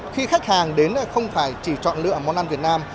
khi khách hàng đến không phải chỉ chọn lựa món ăn việt nam